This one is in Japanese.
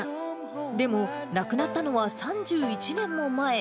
でも、亡くなったのは３１年も前。